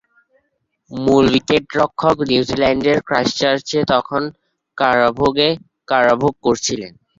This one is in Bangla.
মূল উইকেট-রক্ষক নিউজিল্যান্ডের ক্রাইস্টচার্চে তখন কারাভোগ করছিলেন।